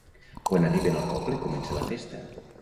Quan arriben al poble comença la festa.